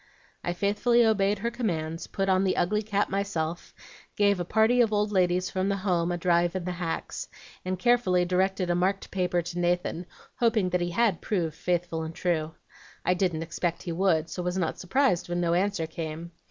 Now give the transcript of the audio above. "I faithfully obeyed her commands, put on the ugly cap myself, gave a party of old ladies from the home a drive in the hacks, and carefully directed a marked paper to Nathan, hoping that he HAD proved 'faithful and true.' I didn't expect he would, so was not surprised when no answer came.